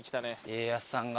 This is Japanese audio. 家康さんが。